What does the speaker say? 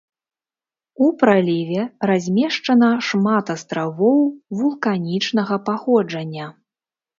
У праліве размешчана шмат астравоў вулканічнага паходжання.